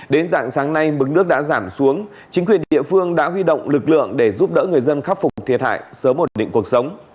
đến dạng sáng nay mực nước đã giảm xuống chính quyền địa phương đã huy động lực lượng để giúp đỡ người dân khắc phục thiệt hại sớm ổn định cuộc sống